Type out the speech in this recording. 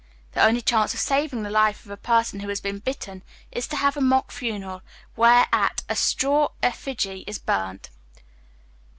The only chance of saving the life of a person who has been bitten is to have a mock funeral, whereat a straw effigy is burnt.